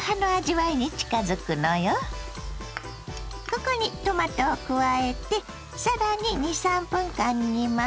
ここにトマトを加えて更に２３分間煮ます。